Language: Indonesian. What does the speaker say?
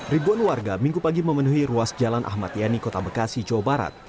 ribuan warga minggu pagi memenuhi ruas jalan ahmad yani kota bekasi jawa barat